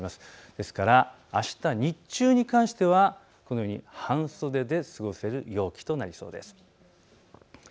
ですからあした日中に関してはこのように半袖で過ごせる陽気となりそうです。